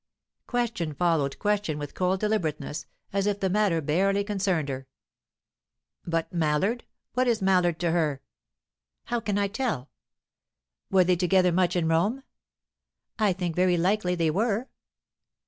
Question followed question with cold deliberateness, as if the matter barely concerned her. "But Mallard? What is Mallard to her?" "How can I tell?" "Were they together much in Rome?" "I think very likely they were."